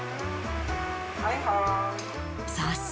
はいはーい。